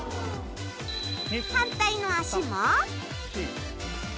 反対の足も。